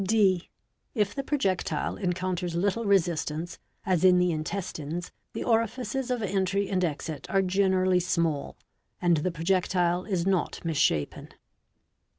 | (d) If the projectile encounters little resistance, as in the in testines, the orifices of entry and exit are generally small, and the projectile is not misshapen.